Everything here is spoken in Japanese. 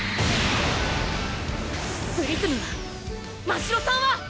プリズムはましろさんは！